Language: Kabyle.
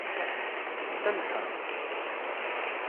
Sameḥ-aɣ.